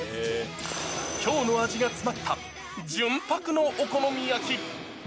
京の味が詰まった、純白のお好み焼き。